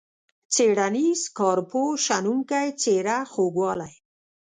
څیړنیز، کارپوه ، شنونکی ، څیره، خوږوالی.